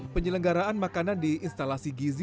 penyelenggaraan makanan di instalasi gizi